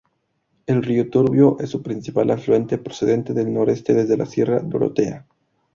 El río Turbio es su principal afluente; procedente del noreste, desde la sierra Dorotea.